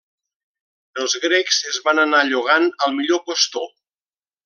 Els grecs es van anar llogant al millor postor.